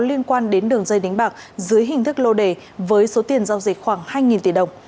liên quan đến đường dây đánh bạc dưới hình thức lô đề với số tiền giao dịch khoảng hai tỷ đồng